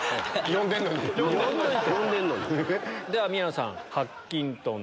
では宮野さん。